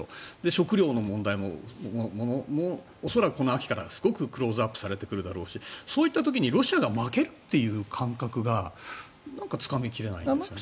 食料の問題も恐らく、この秋からすごくクローズアップされてくるだろうしそういった時にロシアが負けるという感覚がなんかつかみ切れないんですよね。